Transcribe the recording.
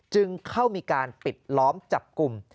จึงเข้ามีการปิดล้อมจับกลุ่ม